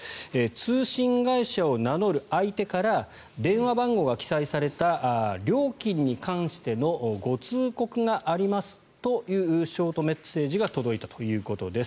通信会社を名乗る相手から電話番号が記載された料金に関してのご通告がありますというショートメッセージが届いたということです。